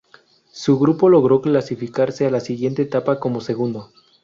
Su grupo logró clasificarse a la siguiente etapa como segundo.